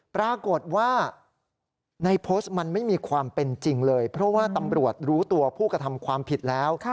ปรากฏว่าในโพสต์มันไม่มีความเป็นจริงเลยเพราะว่าตำรวจรู้ตัวผู้กระทำความผิดแล้ว